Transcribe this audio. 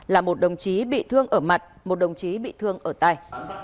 là một đồng chí bị thương ở mặt một đồng chí bị thương ở tay